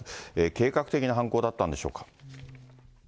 計画的な犯行だったんでしょうか。